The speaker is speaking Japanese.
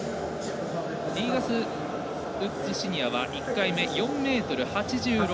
リーガス・ウッズシニアは１回目、４ｍ８６。